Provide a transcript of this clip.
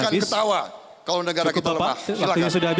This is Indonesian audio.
silakan ketawa kalau negara kita lemah